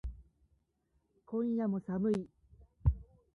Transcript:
今夜も寒い